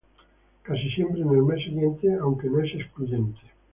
Casi siempre en el mes siguiente, aunque no es excluyente.